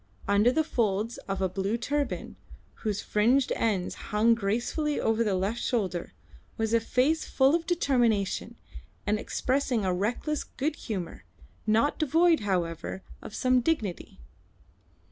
Under the folds of a blue turban, whose fringed ends hung gracefully over the left shoulder, was a face full of determination and expressing a reckless good humour, not devoid, however, of some dignity.